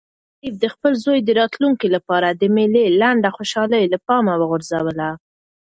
شریف د خپل زوی د راتلونکي لپاره د مېلې لنډه خوشحالي له پامه وغورځوله.